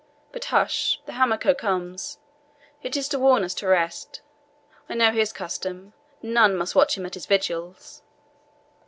But hush, the Hamako comes it is to warn us to rest. I know his custom; none must watch him at his vigils."